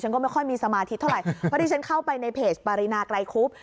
ผมก็ไม่ค่อยมีสมาธิตเท่าไรพอดีฉันเข้าไปในเพจปรินากลายคุบ